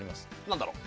何だろう？